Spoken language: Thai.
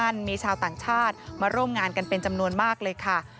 มีชาวต่างชาติมาร่วมงานกันเป็นจำนวนมากเลยค่ะ